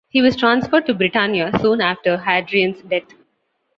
He was transferred to Britannia soon after Hadrian's death.